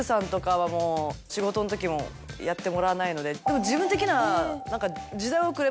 でも自分的には何か。